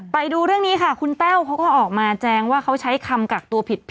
ไปดูเรื่องนี้ค่ะคุณแต้วเขาก็ออกมาแจงว่าเขาใช้คำกักตัวผิดต่อ